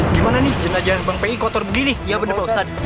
gimana nih jenazah bang pei kotor begini ya bener